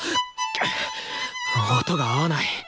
くっ音が合わない！